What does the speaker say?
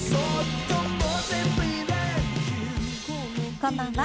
こんばんは。